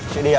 chị đi ạ